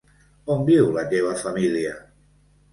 On viu la teva família?